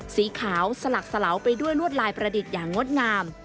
สีขาวสลักสลาวไปด้วยลวดลายประดิษฐ์อย่างงดงาม